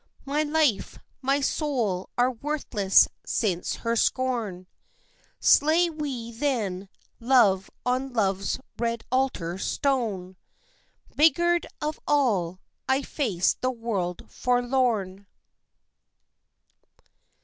My life, my soul are worthless since her scorn. Slay we then love on love's red altar stone Beggared of all, I face the world forlorn.